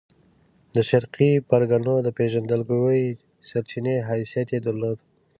د شرقي پرګنو د پېژندګلوۍ سرچینې حیثیت یې درلود.